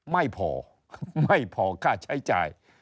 ไม่พอไม่พอค่าใช้จ่าย